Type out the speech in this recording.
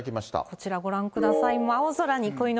こちらご覧ください。